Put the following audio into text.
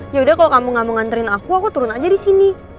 yaudah kalau kamu gak mau nganterin aku aku turun aja di sini